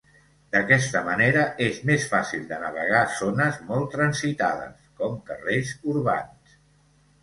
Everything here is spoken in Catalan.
D'aquesta manera, és més fàcil de navegar zones molt transitades, com carrers urbans.